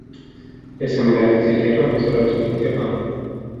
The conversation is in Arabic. لَيْسَ مِنْ عَادَةِ الْكِرَامِ سُرْعَةُ الِانْتِقَامِ